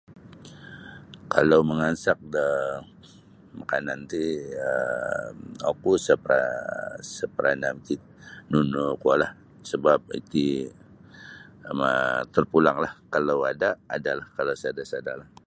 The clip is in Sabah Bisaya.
Kalau mangansak da makanan ti um oku sa' parna sa' parnah miki nunu kuolah sabap iti tarpulanglah kalau ada adalah kalau sada' sada'lah.